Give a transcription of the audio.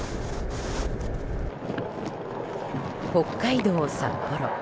北海道札幌。